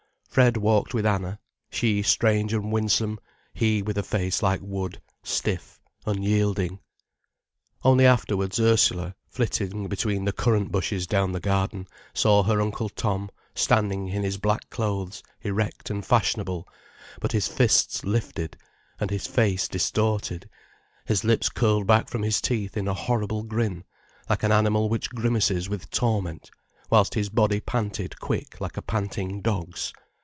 Fred walked with Anna, she strange and winsome, he with a face like wood, stiff, unyielding. Only afterwards Ursula, flitting between the currant bushes down the garden, saw her Uncle Tom standing in his black clothes, erect and fashionable, but his fists lifted, and his face distorted, his lips curled back from his teeth in a horrible grin, like an animal which grimaces with torment, whilst his body panted quick, like a panting dog's.